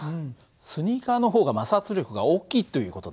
スニーカーの方が摩擦力が大きいという事だよね。